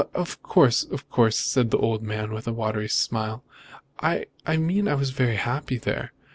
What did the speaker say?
"Of course, of course," said the old man, with a watery smile, "I mean I was very happy there.